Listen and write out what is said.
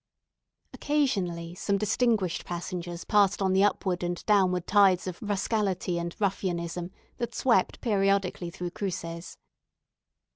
Occasionally some distinguished passengers passed on the upward and downward tides of rascality and ruffianism, that swept periodically through Cruces.